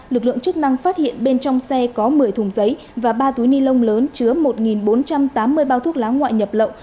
lực lượng chức năng phát hiện bên trong xe có một mươi thùng giấy và ba túi ni lông lớn chứa một bốn trăm tám mươi bao thuốc lá ngoại nhập lậu